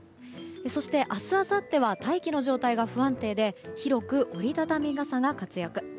そして明日、あさっては大気の状態が不安定で広く折り畳み傘が活躍。